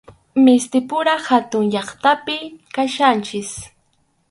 Mistipura hatun llaqtapim kachkanchik.